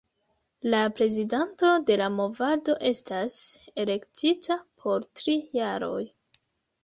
La prezidanto de la movado estas elektita por tri jaroj.